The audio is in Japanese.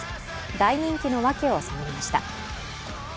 大人気のわけを探りました。